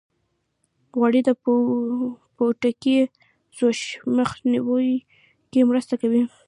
غوړې د پوټکي د سوزش مخنیوي کې مرسته کوي.